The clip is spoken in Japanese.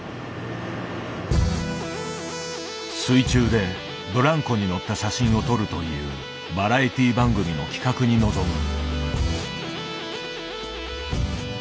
水中でブランコに乗った写真を撮るというバラエティー番組の企画に臨む。